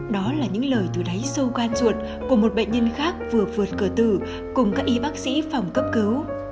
đó là những lời từ đáy sâu gan ruột của một bệnh nhân khác vừa vượt cửa tử cùng các y bác sĩ phòng cấp cứu